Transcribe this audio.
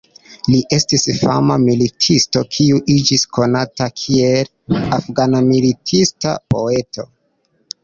Li estis fama militisto kiu iĝis konata kiel "Afgana militista poeto".